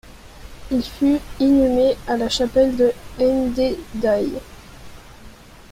Il fut inhumé à la chapelle de N-D d'Ay.